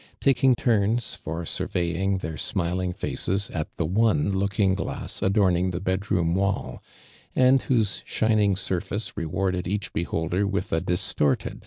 * taking tm ns for Nurvt ying their smiling faces at the ono looking glass adorning the bed room wall, and whose shining surface rewarded each beliolder with a distort<'<l .